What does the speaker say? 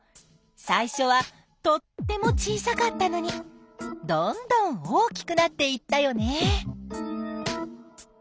最初はとっても小さかったのにどんどん大きくなっていったよね！